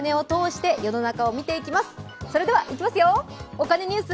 お金ニュース」。